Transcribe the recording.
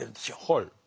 はい。